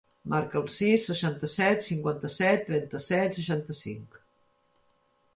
Marca el sis, seixanta-set, cinquanta-set, trenta-set, seixanta-cinc.